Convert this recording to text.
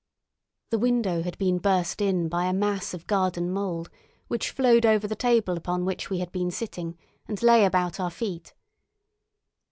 The window had been burst in by a mass of garden mould, which flowed over the table upon which we had been sitting and lay about our feet.